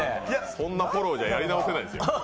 そんなフォローじゃやり直せないですよ。